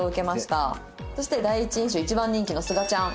そして第一印象一番人気のすがちゃん。